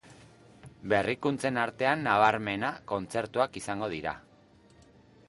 Berrikuntzen artean nabarmenena, kontzertuak izango dira.